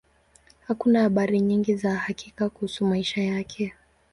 Hakuna habari nyingi za hakika kuhusu maisha yake.